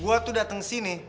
gue tuh dateng kesini